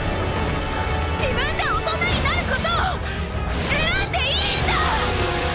自分で大人になることを選んでいいんだ！